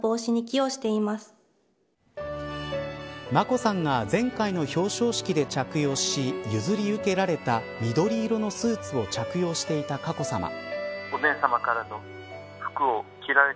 眞子さんが前回の表彰式で着用し譲り受けられた緑色のスーツを着用していた佳子さま。